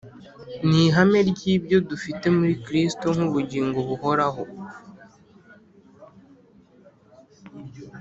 Ni ihame ry'ibyo dufite muri Kristo nk'ubugingo buhoraho,